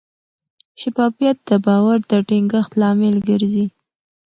شفافیت د باور د ټینګښت لامل ګرځي.